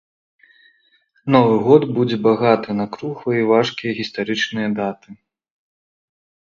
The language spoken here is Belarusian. Новы год будзе багаты на круглыя і важкія гістарычныя даты.